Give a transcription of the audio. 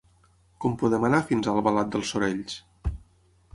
Com podem anar fins a Albalat dels Sorells?